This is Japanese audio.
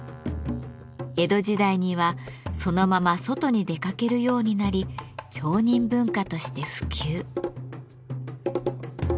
江戸時代にはそのまま外に出かけるようになり町人文化として普及。